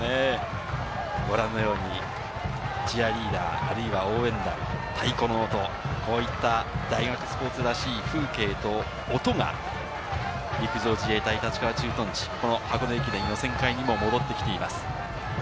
ご覧のようにチアリーダー、あるいは応援団、太鼓の音、こういった大学スポーツらしい風景と音が陸上自衛隊立川駐屯地、この箱根駅伝予選会にも戻ってきています。